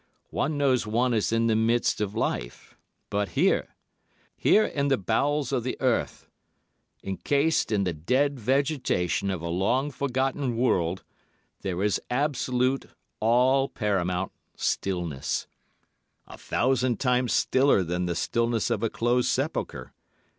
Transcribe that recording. One knows one is in the midst of life. But here!—here in the bowels of the earth, encased in the dead vegetation of a long forgotten world, there is absolute, all paramount stillness—a thousand times stiller than the stillness of a closed sepulchre.